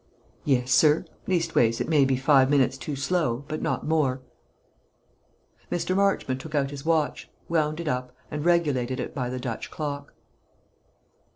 "Yes, sir. Leastways, it may be five minutes too slow, but not more." Mr. Marchmont took out his watch, wound it up, and regulated it by the Dutch clock.